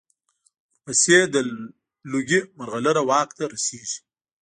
ورپسې د لوګي مرغلره واک ته رسېږي.